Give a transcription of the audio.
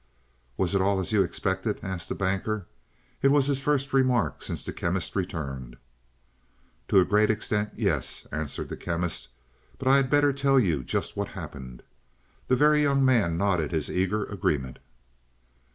"Was it all as you expected?" asked the Banker. It was his first remark since the Chemist returned. "To a great extent, yes," answered the Chemist. "But I had better tell you just what happened." The Very Young Man nodded his eager agreement.